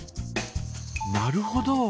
なるほど。